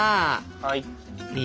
はい。